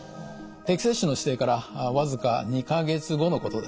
定期接種の指定から僅か２か月後のことです。